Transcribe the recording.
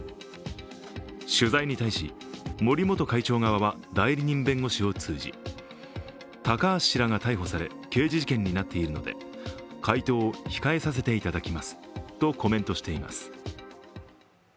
取材に対し、森元会長側は代理人弁護士を通じ高橋氏らが逮捕され、刑事事件になっているので回答を控えさせていただきますとコメントしています。